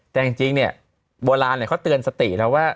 แต่จริงเนี่ยโบราณเนี่ยเขาเตือนสติเราว่า